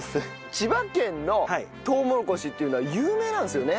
千葉県のとうもろこしっていうのは有名なんですよね？